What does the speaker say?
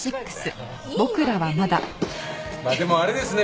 まあでもあれですね